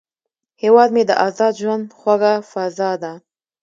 هیواد مې د ازاد ژوند خوږه فضا ده